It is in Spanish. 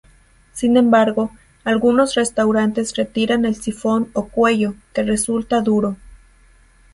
Sin embargo, algunos restaurantes retiran el sifón o cuello, que resulta duro.